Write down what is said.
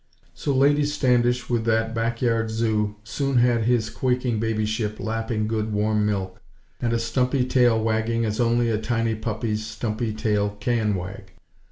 So Lady Standish, with that "back yard zoo" soon had his quaking babyship lapping good warm milk, and a stumpy tail wagging as only a tiny puppy's stumpy tail can wag.